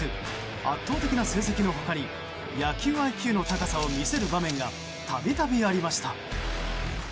圧倒的な成績の他に野球ＩＱの高さを見せる場面がたびたびありました。